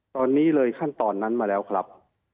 ตอนนี้เลยขั้นตอนนั้นมาแล้วครับ